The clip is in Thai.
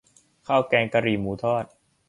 ข้าวแกงกะหรี่หมูทอด